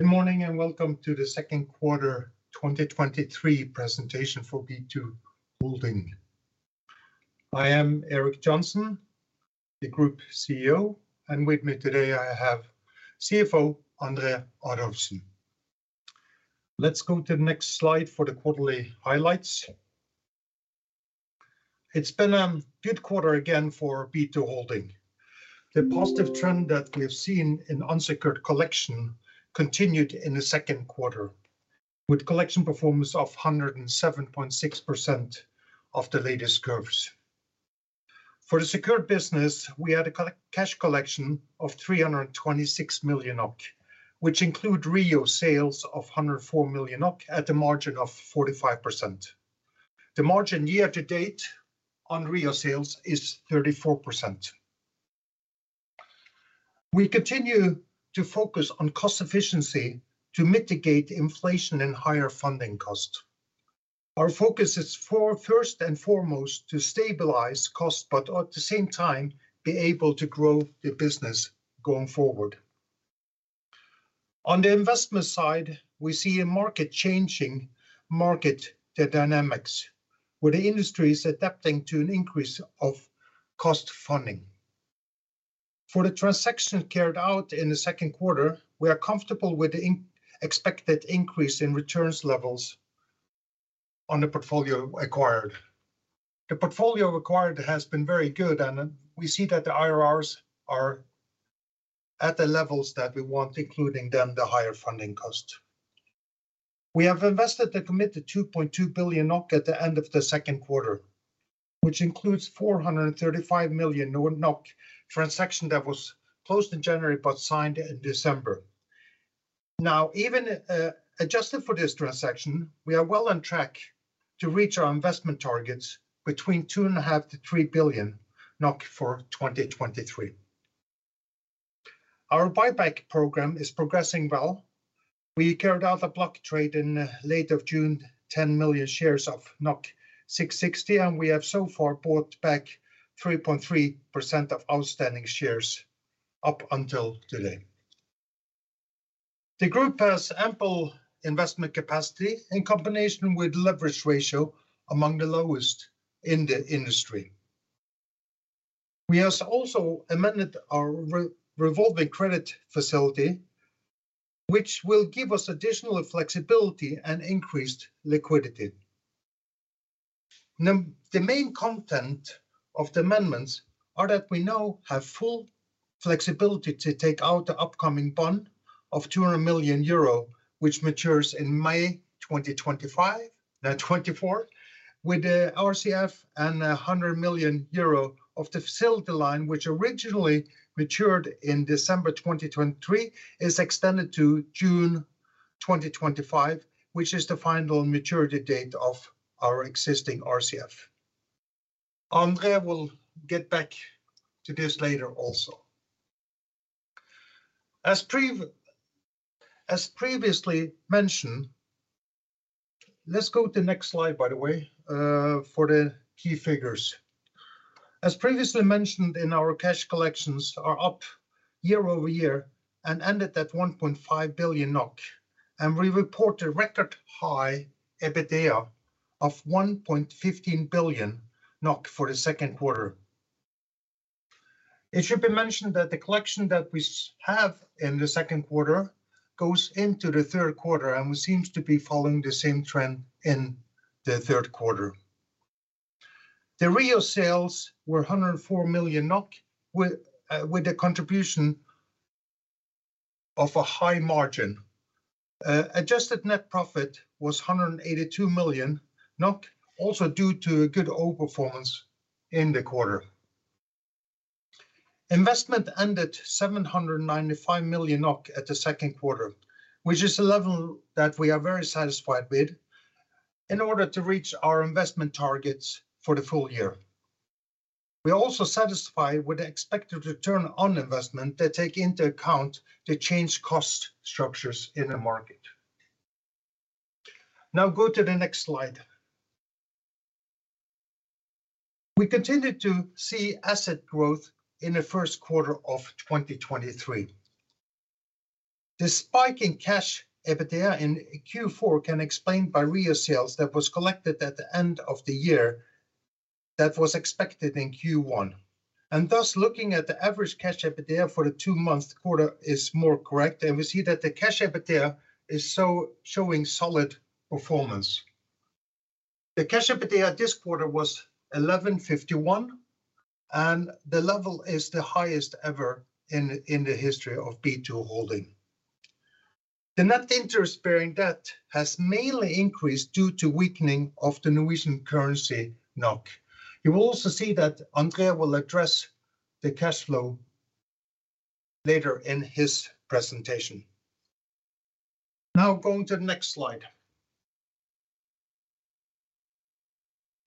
Good morning, and welcome to the Q2 2023 presentation for B2Holding. I am Erik Johnsen, the Group CEO, and with me today I have CFO André Adolfsen. Let's go to the next slide for the quarterly highlights. It's been a good quarter again for B2Holding. The positive trend that we have seen in unsecured collection continued in the Q2, with collection performance of 107.6% of the latest curves. For the secured business, we had a cash collection of 326 million NOK, which include REO sales of 104 million NOK at a margin of 45%. The margin year to date on REO sales is 34%. We continue to focus on cost efficiency to mitigate inflation and higher funding costs. Our focus is first and foremost to stabilize costs, but at the same time be able to grow the business going forward. On the investment side, we see a market-changing market, the dynamics, where the industry is adapting to an increase of cost funding. For the transaction carried out in the Q2, we are comfortable with the expected increase in returns levels on the portfolio acquired. The portfolio acquired has been very good, and we see that the IRRs are at the levels that we want, including then the higher funding cost. We have invested the committed 2.2 billion NOK at the end of the Q2, which includes 435 million NOK transaction that was closed in January, but signed in December. Even adjusted for this transaction, we are well on track to reach our investment targets between 2.5 billion-3 billion for 2023. Our buyback program is progressing well. We carried out a block trade in late of June, 10 million shares of 6.60, and we have so far bought back 3.3% of outstanding shares up until today. The group has ample investment capacity in combination with leverage ratio among the lowest in the industry. We have also amended our revolving credit facility, which will give us additional flexibility and increased liquidity. The main content of the amendments are that we now have full flexibility to take out the upcoming bond of 200 million euro, which matures in May 2025, 2024, with the RCF and 100 million euro of the facility line, which originally matured in December 2023, is extended to June 2025, which is the final maturity date of our existing RCF. André will get back to this later also. As previously mentioned... Let's go to the next slide, by the way, for the key figures. As previously mentioned in our cash collections are up year-over-year and ended at 1.5 billion NOK. We report a record high EBITDA of 1.15 billion NOK for the Q2. It should be mentioned that the collection that we have in the Q2 goes into the Q3 and seems to be following the same trend in the Q3. The REO sales were 104 million NOK with, with a contribution of a high margin. Adjusted net profit was 182 million, also due to a good outperformance in the quarter. Investment ended 795 million NOK at the Q2, which is a level that we are very satisfied with in order to reach our investment targets for the full year. We are also satisfied with the expected return on investment that take into account the change cost structures in the market. Go to the next slide. We continued to see asset growth in the Q1 of 2023. The spike in Cash EBITDA in Q4 can explain by REO sales that was collected at the end of the year, that was expected in Q1. Thus, looking at the average Cash EBITDA for the two-month quarter is more correct, and we see that the Cash EBITDA is showing solid performance. The Cash EBITDA this quarter was 1,151, and the level is the highest ever in the history of B2Holding. The net interest-bearing debt has mainly increased due to weakening of the Norwegian currency, NOK. You will also see that André Adolfsen will address the cash flow later in his presentation. Going to the next slide.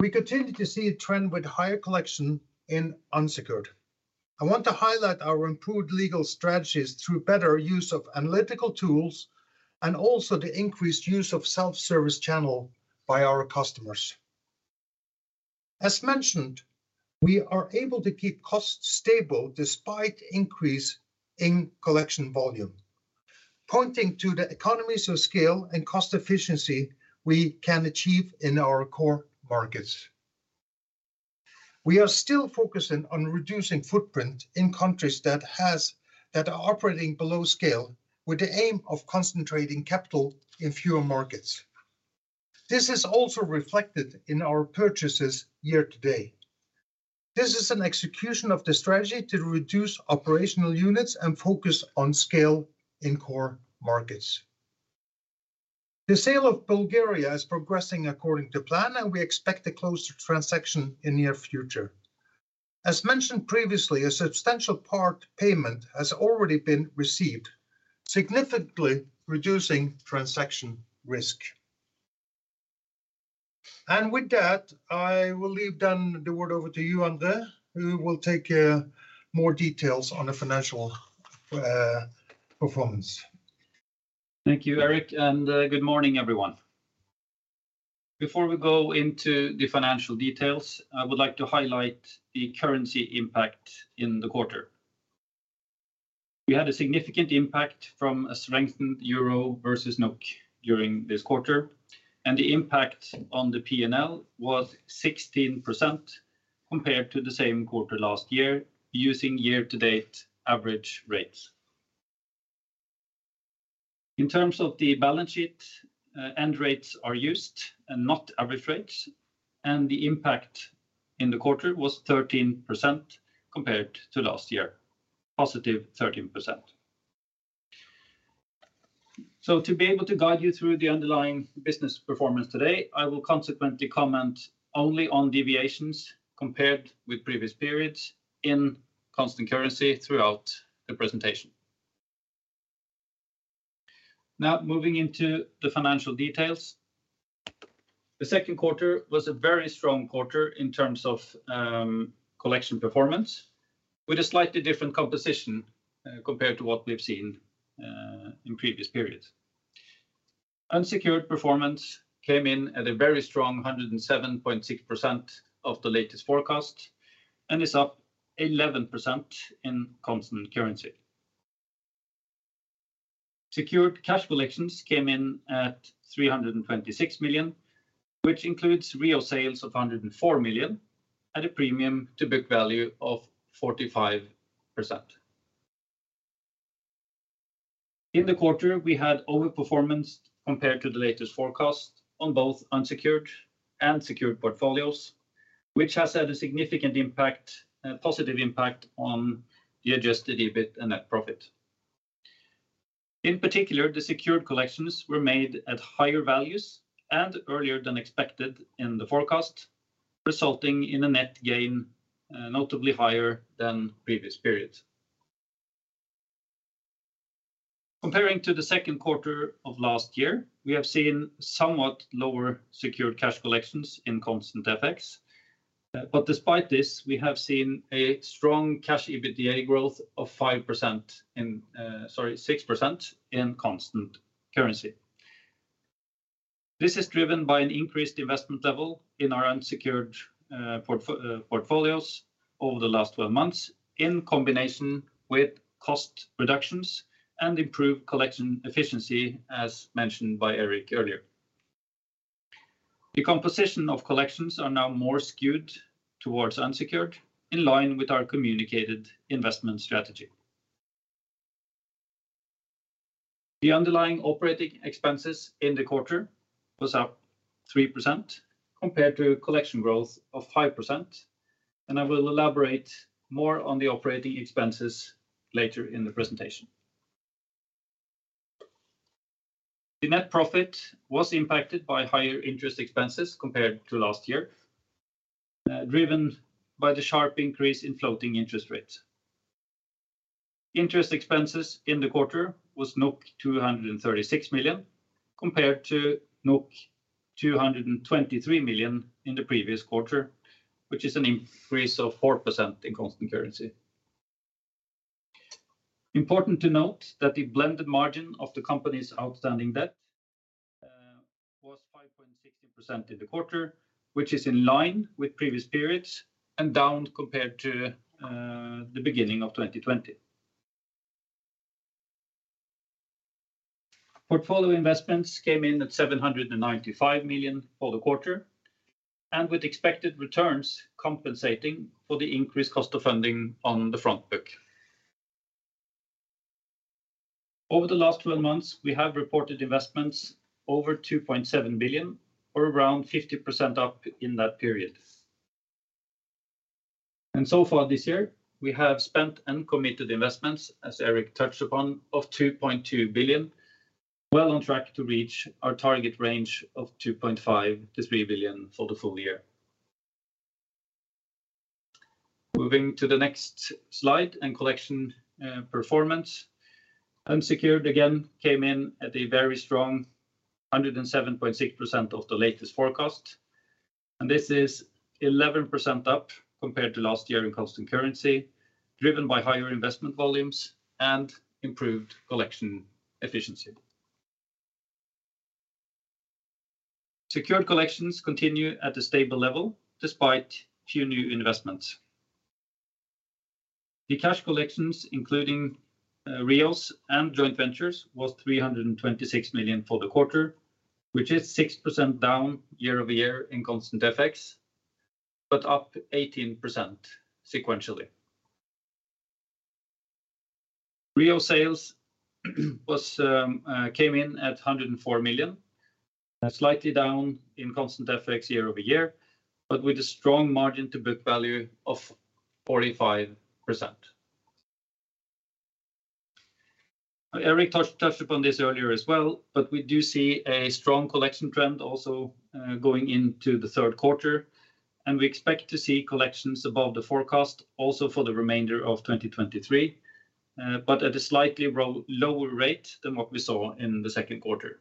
We continue to see a trend with higher collection in unsecured. I want to highlight our improved legal strategies through better use of analytical tools and also the increased use of self-service channel by our customers. As mentioned, we are able to keep costs stable despite increase in collection volume, pointing to the economies of scale and cost efficiency we can achieve in our core markets. We are still focusing on reducing footprint in countries that are operating below scale, with the aim of concentrating capital in fewer markets. This is also reflected in our purchases year to date. This is an execution of the strategy to reduce operational units and focus on scale in core markets. The sale of Bulgaria is progressing according to plan, and we expect a close of transaction in near future. As mentioned previously, a substantial part payment has already been received, significantly reducing transaction risk. With that, I will leave then the word over to you, André, who will take more details on the financial performance. Thank you, Erik. Good morning, everyone. Before we go into the financial details, I would like to highlight the currency impact in the quarter. We had a significant impact from a strengthened euro versus NOK during this quarter, and the impact on the P&L was 16% compared to the same quarter last year, using year-to-date average rates. In terms of the balance sheet, end rates are used and not average rates, and the impact in the quarter was 13% compared to last year, +13%. To be able to guide you through the underlying business performance today, I will consequently comment only on deviations compared with previous periods in constant currency throughout the presentation. Moving into the financial details. The Q2 was a very strong quarter in terms of collection performance, with a slightly different composition compared to what we've seen in previous periods. Unsecured performance came in at a very strong 107.6% of the latest forecast and is up 11% in constant currency. Secured cash collections came in at 326 million, which includes REO sales of 104 million at a premium to book value of 45%. In the quarter, we had overperformance compared to the latest forecast on both unsecured and secured portfolios, which has had a significant impact, a positive impact, on the adjusted EBIT and net profit. In particular, the secured collections were made at higher values and earlier than expected in the forecast, resulting in a net gain notably higher than previous periods. Comparing to the Q2 of last year, we have seen somewhat lower secured cash collections in constant FX. Despite this, we have seen a strong Cash EBITDA growth of 5% in 6% in constant currency. This is driven by an increased investment level in our unsecured portfolios over the last 12 months, in combination with cost reductions and improved collection efficiency, as mentioned by Erik earlier. The composition of collections are now more skewed towards unsecured, in line with our communicated investment strategy. The underlying operating expenses in the quarter was up 3% compared to collection growth of 5%, I will elaborate more on the operating expenses later in the presentation. The net profit was impacted by higher interest expenses compared to last year, driven by the sharp increase in floating interest rates. Interest expenses in the quarter was 236 million, compared to 223 million in the previous quarter, which is an increase of 4% in constant currency. Important to note that the blended margin of the company's outstanding debt was 5.16% in the quarter, which is in line with previous periods and down compared to the beginning of 2020. Portfolio investments came in at 795 million for the quarter, with expected returns compensating for the increased cost of funding on the front book. Over the last 12 months, we have reported investments over 2.7 billion, or around 50% up in that period. So far this year, we have spent and committed investments, as Erik touched upon, of 2.2 billion, well on track to reach our target range of 2.5 billion-3 billion for the full year. Moving to the next slide, collection performance. Unsecured, again, came in at a very strong 107.6% of the latest forecast, and this is 11% up compared to last year in constant currency, driven by higher investment volumes and improved collection efficiency. Secured collections continue at a stable level despite few new investments. The cash collections, including REO and joint ventures, was 326 million for the quarter, which is 6% down year-over-year in constant FX, but up 18% sequentially. REO sales was came in at 104 million, slightly down in constant FX year-over-year, but with a strong margin to book value of 45%. Erik touched, touched upon this earlier as well. We do see a strong collection trend also going into the Q3, and we expect to see collections above the forecast also for the remainder of 2023, but at a slightly lower rate than what we saw in the Q2.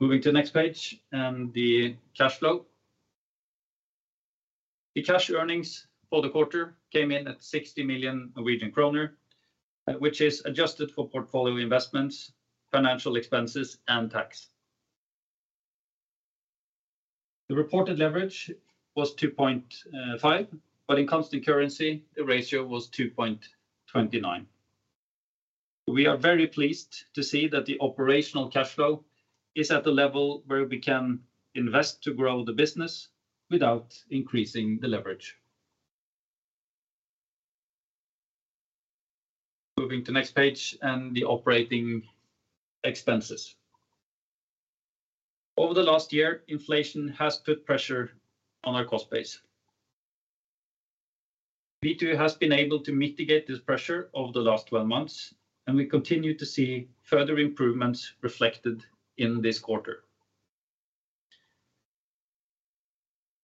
Moving to the next page, the cash flow. The cash earnings for the quarter came in at 60 million Norwegian kroner, which is adjusted for portfolio investments, financial expenses, and tax. The reported leverage was 2.5. In constant currency, the ratio was 2.29. We are very pleased to see that the operational cash flow is at the level where we can invest to grow the business without increasing the leverage. Moving to next page, and the operating expenses. Over the last year, inflation has put pressure on our cost base. B2 has been able to mitigate this pressure over the last 12 months, and we continue to see further improvements reflected in this quarter.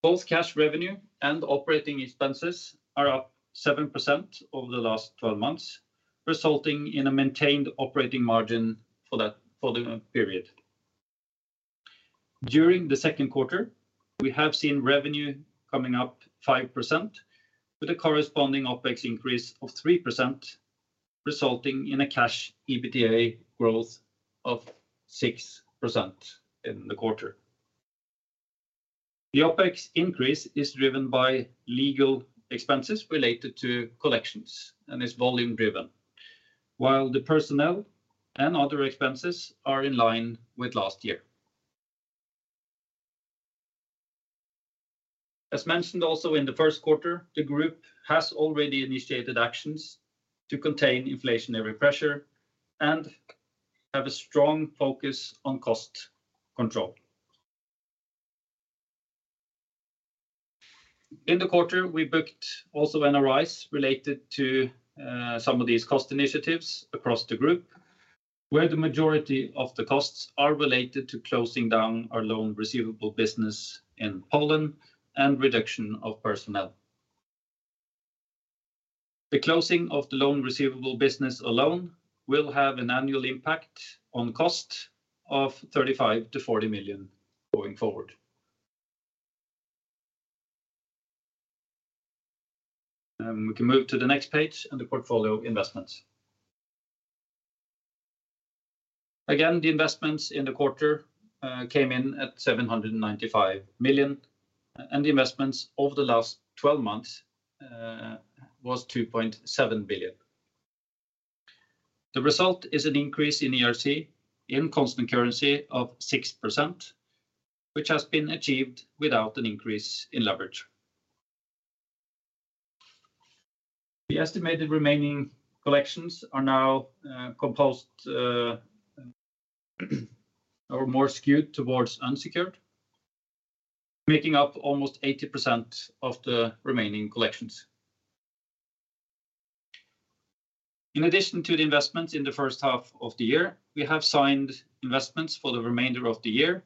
Both cash revenue and operating expenses are up 7% over the last 12 months, resulting in a maintained operating margin for the period. During the Q2, we have seen revenue coming up 5%, with a corresponding Opex increase of 3%, resulting in a Cash EBITDA growth of 6% in the quarter. The Opex increase is driven by legal expenses related to collections and is volume driven. The personnel and other expenses are in line with last year. As mentioned also in the Q1, the group has already initiated actions to contain inflationary pressure and have a strong focus on cost control. In the quarter, we booked also NRI related to some of these cost initiatives across the group, where the majority of the costs are related to closing down our loan receivable business in Poland and reduction of personnel. The closing of the loan receivable business alone will have an annual impact on cost of 35 million-40 million going forward. We can move to the next page and the portfolio investments. Again, the investments in the quarter came in at 795 million, and the investments over the last 12 months was 2.7 billion. The result is an increase in ERC in constant currency of 6%, which has been achieved without an increase in leverage. The estimated remaining collections are now composed or more skewed towards unsecured, making up almost 80% of the remaining collections. In addition to the investments in the first half of the year, we have signed investments for the remainder of the year,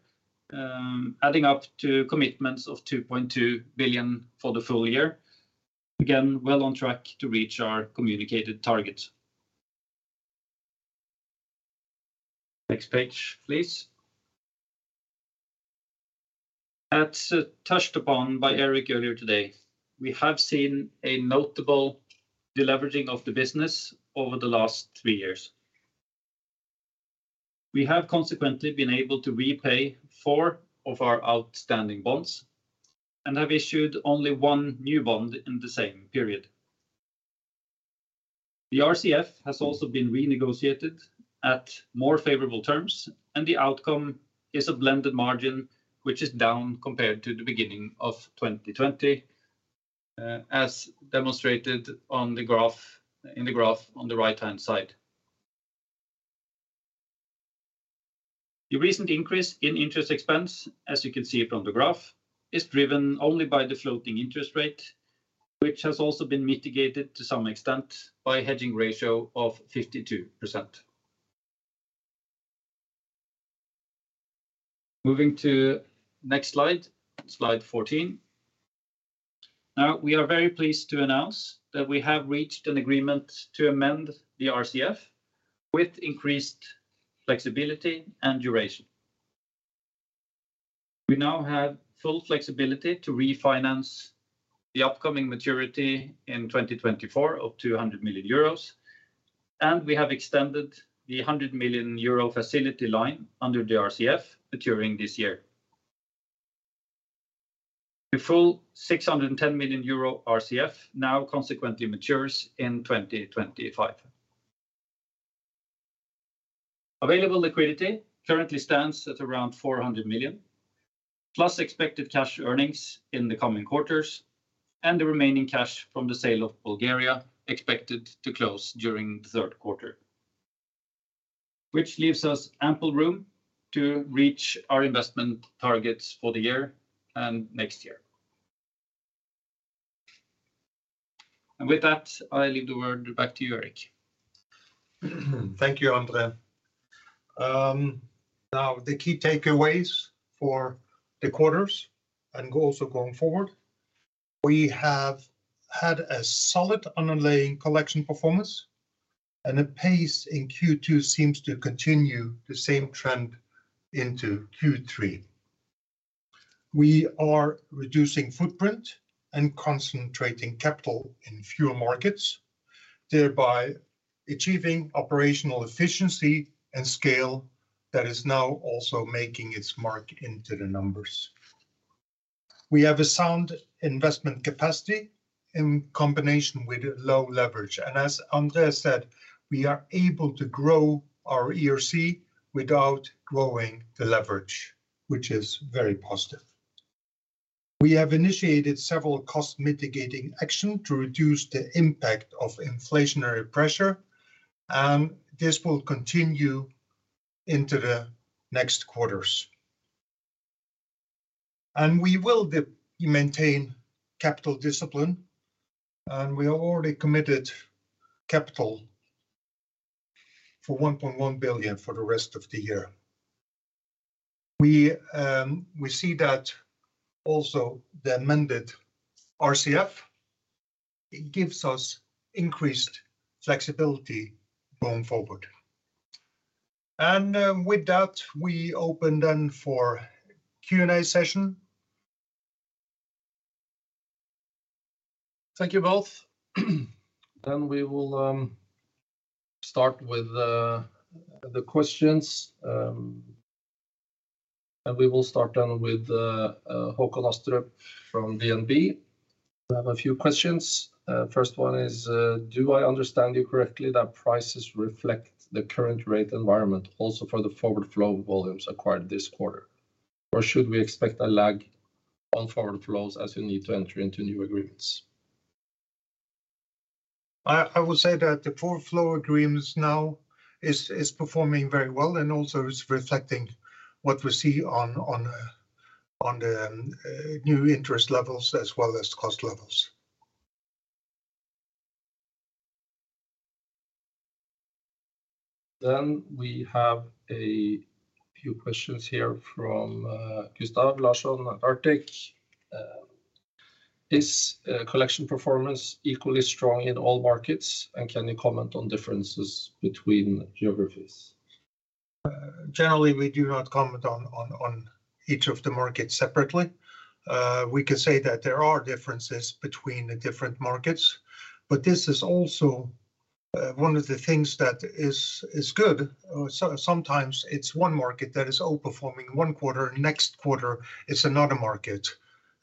adding up to commitments of 2.2 billion for the full year. Again, well on track to reach our communicated target. Next page, please. As touched upon by Erik earlier today, we have seen a notable deleveraging of the business over the last three years. We have consequently been able to repay four of our outstanding bonds and have issued only one new bond in the same period. The RCF has also been renegotiated at more favorable terms, and the outcome is a blended margin, which is down compared to the beginning of 2020, as demonstrated in the graph on the right-hand side. The recent increase in interest expense, as you can see it on the graph, is driven only by the floating interest rate, which has also been mitigated to some extent by a hedging ratio of 52%. Moving to next slide, slide 14. Now, we are very pleased to announce that we have reached an agreement to amend the RCF with increased flexibility and duration. We now have full flexibility to refinance the upcoming maturity in 2024 of 200 million euros, and we have extended the 100 million euro facility line under the RCF maturing this year. The full 610 million euro RCF now consequently matures in 2025. Available liquidity currently stands at around 400 million, plus expected cash earnings in the coming quarters, and the remaining cash from the sale of Bulgaria, expected to close during the Q3, which leaves us ample room to reach our investment targets for the year and next year. With that, I leave the word back to you, Erik. Thank you, Andre. Now, the key takeaways for the quarters and also going forward, we have had a solid underlying collection performance, and the pace in Q2 seems to continue the same trend into Q3. We are reducing footprint and concentrating capital in fewer markets, thereby achieving operational efficiency and scale that is now also making its mark into the numbers. We have a sound investment capacity in combination with low leverage, and as Andre said, we are able to grow our ERC without growing the leverage, which is very positive. We have initiated several cost mitigating action to reduce the impact of inflationary pressure, and this will continue into the next quarters. We will maintain capital discipline, and we have already committed capital for 1.1 billion for the rest of the year. We, we see that also the amended RCF, it gives us increased flexibility going forward. With that, we open then for Q&A session. Thank you both. We will start with the questions. We will start then with Håkon Astrup from DNB. We have a few questions. First one is: Do I understand you correctly that prices reflect the current rate environment also for the forward flow volumes acquired this quarter? Or should we expect a lag on forward flows as you need to enter into new agreements? I would say that the forward flow agreements now is, is performing very well and also is reflecting what we see on, on, on the new interest levels as well as cost levels. We have a few questions here from Gustav Larsson at Arctic. Is collection performance equally strong in all markets, and can you comment on differences between geographies? Generally, we do not comment on, on, on each of the markets separately. We can say that there are differences between the different markets, but this is also one of the things that is good. Sometimes it's one market that is outperforming one quarter, next quarter, it's another market.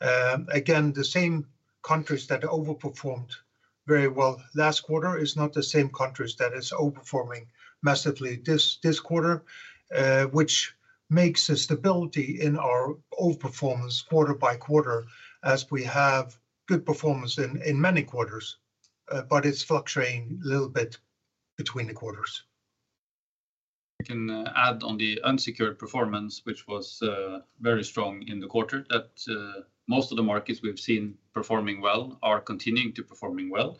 Again, the same countries that overperformed very well last quarter is not the same countries that is outperforming massively this, this quarter, which makes the stability in our old performance quarter by quarter, as we have good performance in, in many quarters, but it's fluctuating a little bit between the quarters. I can add on the unsecured performance, which was very strong in the quarter, that most of the markets we've seen performing well are continuing to performing well.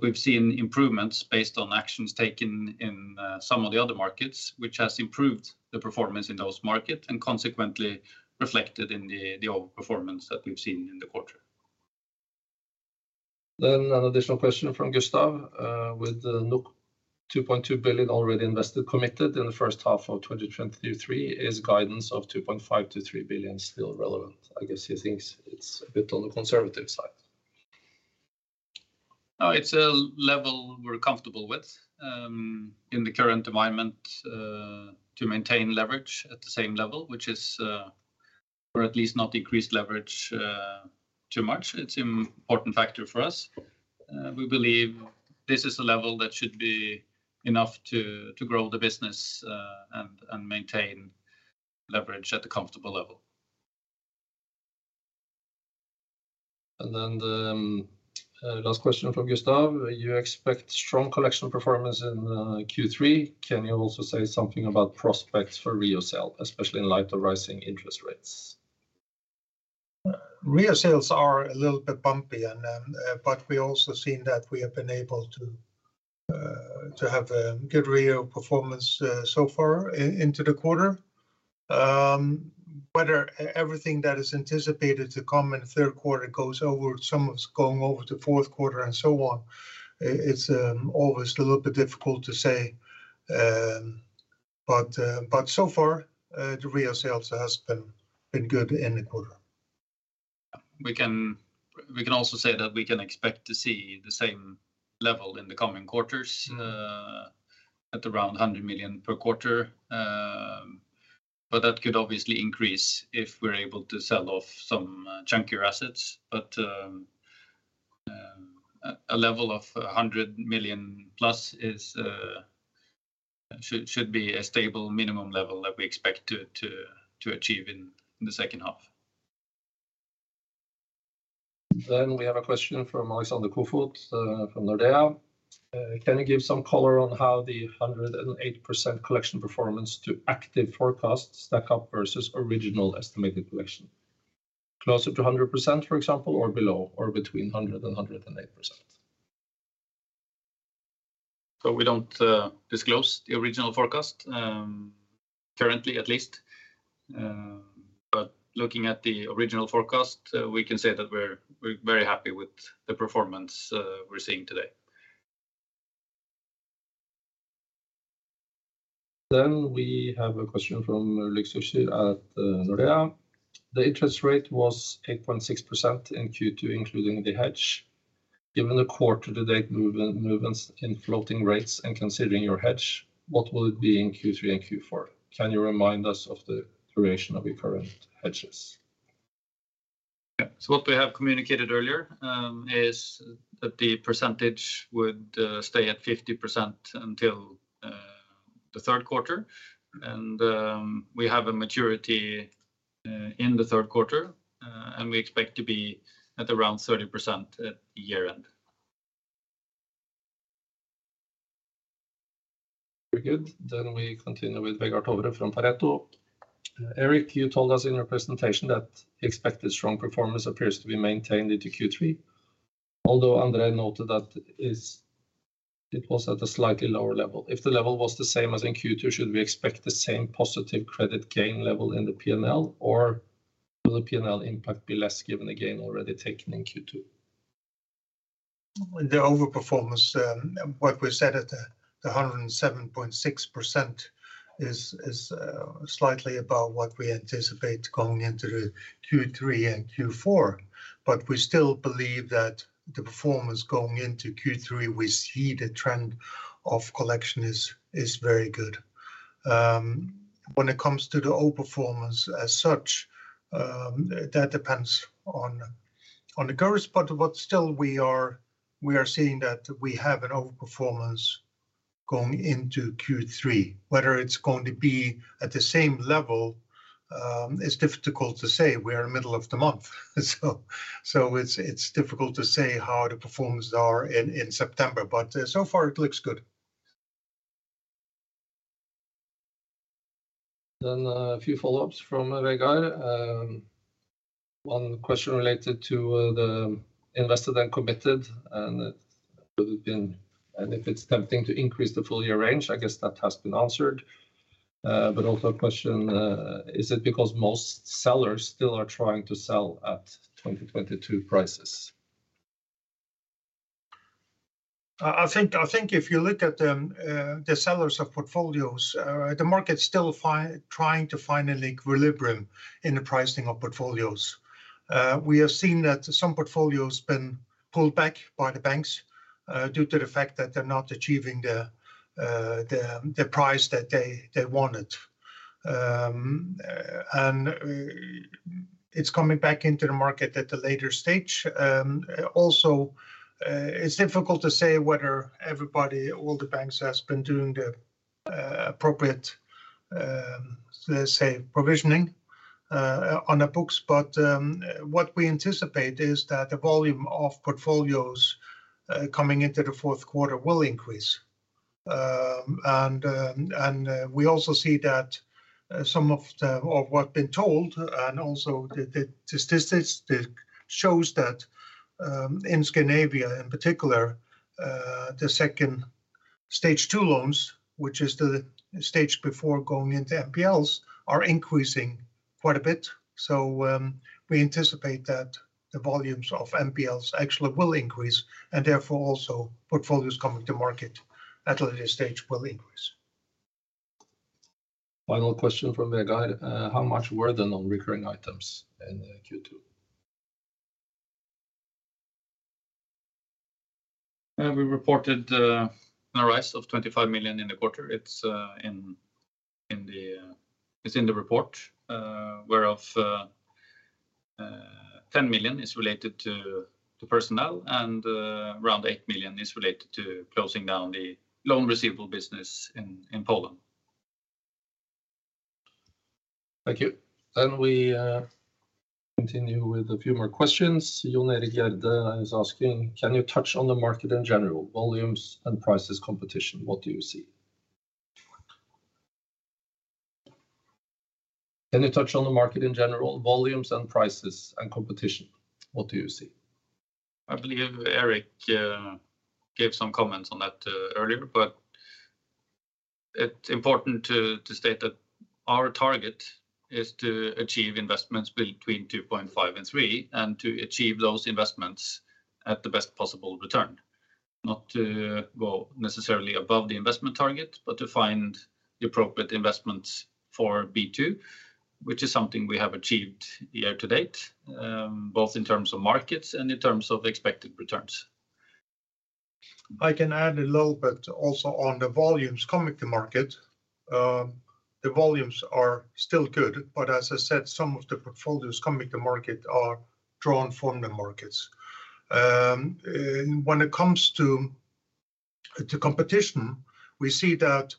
We've seen improvements based on actions taken in some of the other markets, which has improved the performance in those market and consequently reflected in the, the old performance that we've seen in the quarter. An additional question from Gustav. With 2.2 billion already invested- committed in the first half of 2023, is guidance of 2.5 billion-3 billion still relevant? I guess he thinks it's a bit on the conservative side. No, it's a level we're comfortable with, in the current environment, to maintain leverage at the same level, which is, or at least not increase leverage, too much. It's an important factor for us. We believe this is a level that should be enough to, to grow the business, and, and maintain leverage at a comfortable level. The last question from Gustav: You expect strong collection performance in Q3. Can you also say something about prospects for REO sales, especially in light of rising interest rates? REO sales are a little bit bumpy and but we also seen that we have been able to to have a good REO performance so far into the quarter. Whether everything that is anticipated to come in the Q3 goes over, some of it's going over to Q4 and so on, it's always a little bit difficult to say. But so far, the REO sales has been, been good in the quarter. ... we can also say that we can expect to see the same level in the coming quarters, at around 100 million per quarter. That could obviously increase if we're able to sell off some chunkier assets. A level of 100 million plus is should be a stable minimum level that we expect to achieve in the second half. We have a question from Alexander Løtvedt from Nordea. "Can you give some color on how the 108% collection performance to active forecasts stack up versus original estimated collection? Closer to 100%, for example, or below, or between 100%-108%? We don't disclose the original forecast, currently at least. Looking at the original forecast, we can say that we're, we're very happy with the performance, we're seeing today. We have a question from Håkon Astrup at Nordea. "The interest rate was 8.6% in Q2, including the hedge. Given the quarter to date movement, movements in floating rates and considering your hedge, what will it be in Q3 and Q4? Can you remind us of the duration of your current hedges? Yeah. What we have communicated earlier, is that the percentage would stay at 50% until the 3rd quarter. We have a maturity in the 3rd quarter, and we expect to be at around 30% at year end. Very good. We continue with Vegard Toverud from Pareto. "Erik, you told us in your presentation that expected strong performance appears to be maintained into Q3. Although André noted that it was at a slightly lower level. If the level was the same as in Q2, should we expect the same positive credit gain level in the P&L, or will the P&L impact be less, given the gain already taken in Q2? The overperformance, what we said at the 107.6% is, is slightly above what we anticipate going into the Q3 and Q4. We still believe that the performance going into Q3, we see the trend of collection is, is very good. When it comes to the overperformance as such, that depends on, on the current spot, but still we are, we are seeing that we have an overperformance going into Q3. Whether it's going to be at the same level, is difficult to say. We are in the middle of the month, so, so it's, it's difficult to say how the performance are in, in September, but so far it looks good. A few follow-ups from Vegard. One question related to the invested and committed, if it's tempting to increase the full year range, I guess that has been answered. Also a question, "Is it because most sellers still are trying to sell at 2022 prices? I think, I think if you look at the sellers of portfolios, the market's still trying to find an equilibrium in the pricing of portfolios. We have seen that some portfolios been pulled back by the banks due to the fact that they're not achieving the price that they wanted. It's coming back into the market at a later stage. Also, it's difficult to say whether everybody, all the banks, has been doing the appropriate, let's say, provisioning on the books. What we anticipate is that the volume of portfolios coming into the Q4 will increase. We also see that some of the, of what been told, and also the, the statistics, that shows that in Scandinavia in particular, the second Stage 2 loans, which is the stage before going into NPLs, are increasing quite a bit. We anticipate that the volumes of NPLs actually will increase, and therefore, also portfolios coming to market at a later stage will increase. Final question from Vegard: "How much were the non-recurring items in Q2? We reported an NRI of 25 million in the quarter. It's in the report. Whereof 10 million is related to personnel, and around 8 million is related to closing down the loan receivable business in Poland. Thank you. We continue with a few more questions. Jan Erik Gjerland is asking: "Can you touch on the market in general, volumes and prices competition, what do you see? Can you touch on the market in general, volumes and prices and competition, what do you see? I believe Erik gave some comments on that earlier. It's important to, to state that our target is to achieve investments between 2.5 and 3, and to achieve those investments at the best possible return. Not to go necessarily above the investment target, but to find the appropriate investments for B2, which is something we have achieved year to date, both in terms of markets and in terms of expected returns. I can add a little bit also on the volumes coming to market. The volumes are still good, but as I said, some of the portfolios coming to market are drawn from the markets. When it comes to, to competition, we see that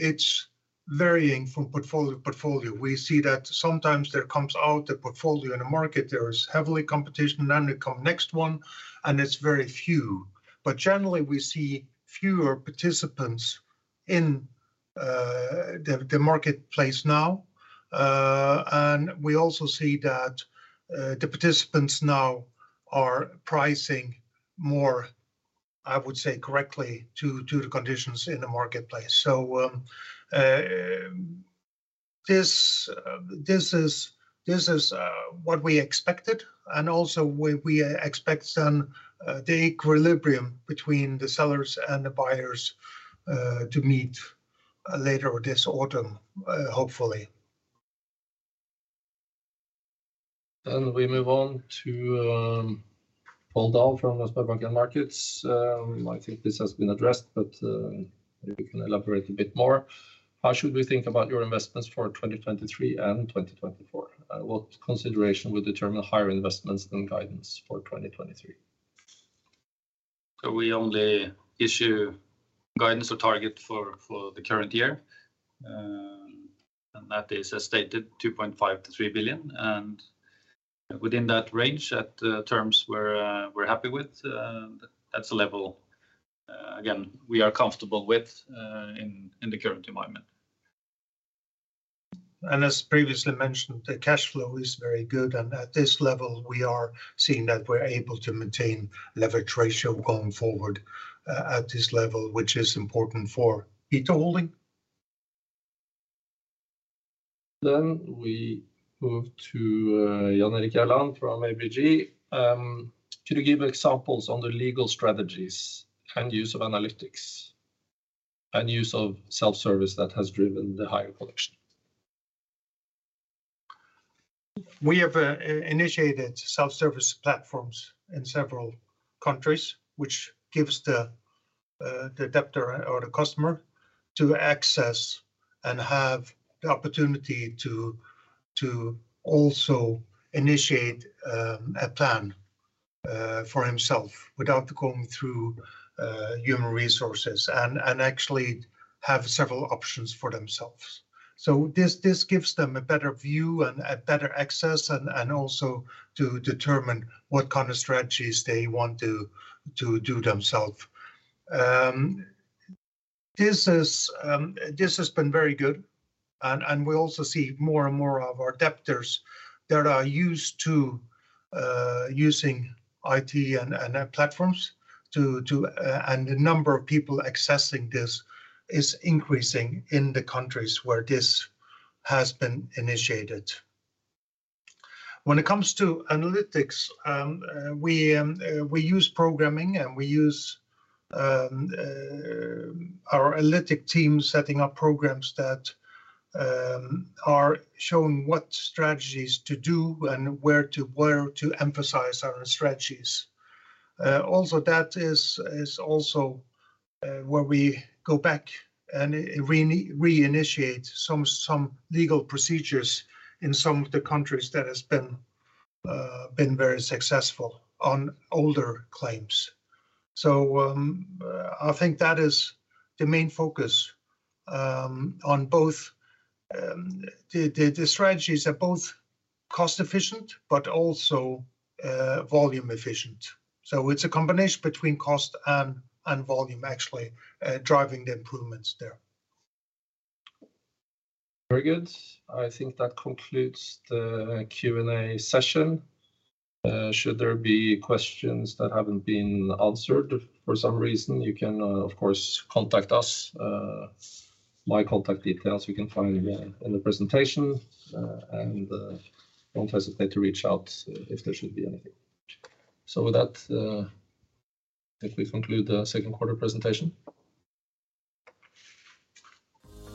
it's varying from portfolio to portfolio. We see that sometimes there comes out a portfolio in the market, there is heavily competition, then they come next one, and it's very few. Generally, we see fewer participants in the marketplace now. We also see that the participants now are pricing more, I would say, correctly to, to the conditions in the marketplace. This, this is, this is what we expected, and also we, we expect some the equilibrium between the sellers and the buyers to meet later this autumn, hopefully. We move on to Pål Dahl from Swedbank Markets. I think this has been addressed, but maybe you can elaborate a bit more. How should we think about your investments for 2023 and 2024? What consideration will determine higher investments than guidance for 2023? We only issue guidance or target for, for the current year, and that is as stated, 2.5 billion-3 billion. Within that range, at terms we're happy with, that's the level again, we are comfortable with in the current environment. As previously mentioned, the cash flow is very good, and at this level, we are seeing that we're able to maintain leverage ratio going forward, at this level, which is important for B2Holding. We move to Jan Erik Gjerland from ABG. Could you give examples on the legal strategies and use of analytics and use of self-service that has driven the higher collection? We have initiated self-service platforms in several countries, which gives the debtor or the customer to access and have the opportunity to also initiate a plan for himself without going through human resources and actually have several options for themselves. This, this gives them a better view and a better access and also to determine what kind of strategies they want to do themselves. This is, this has been very good, and we also see more and more of our debtors that are used to using IT and platforms to and the number of people accessing this is increasing in the countries where this has been initiated. When it comes to analytics, we, we use programming, and we use, our analytic team setting up programs that, are showing what strategies to do and where to, where to emphasize our strategies. Also, that is, is also where we go back and reinitiate some, some legal procedures in some of the countries that has been, been very successful on older claims. So, I think that is the main focus, on both, the, the, the strategies are both cost efficient, but also, volume efficient. So it's a combination between cost and, and volume, actually, driving the improvements there. Very good. I think that concludes the Q&A session. Should there be questions that haven't been answered for some reason, you can, of course, contact us. My contact details you can find in the, in the presentation, and don't hesitate to reach out if there should be anything. With that, I think we conclude the Q2 presentation.